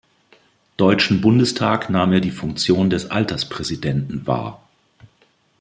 Deutschen Bundestag nahm er die Funktion des Alterspräsidenten wahr.